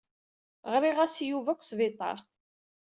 Ɣriɣ-as-d i Yuba seg wesbiṭar.